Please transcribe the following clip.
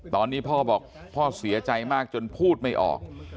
ตอนนี้พ่อบอกพ่อเสียใจมากจนพูดไม่ออก